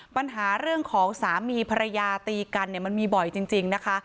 ปัญหาเรื่องของสามีภรรยาตีกันเนี่ยมันมีบ่อยจริงนะคะ